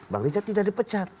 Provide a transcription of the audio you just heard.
bang richard tidak dipecat